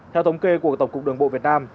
theo thống kê của tổng cục đường bộ việt nam